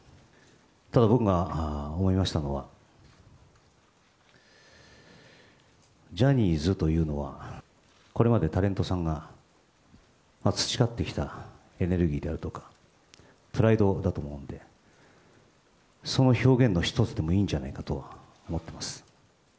ただ僕が思いましたのは、ジャニーズというのは、これまでタレントさんが培ってきたエネルギーであるとか、プライドだと思うんで、その表現の一つでもいいんじゃないかと思ってます。